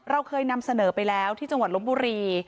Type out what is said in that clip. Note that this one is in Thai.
เราเคยนำเสนอไปแล้วที่จังหวัดลบบุรี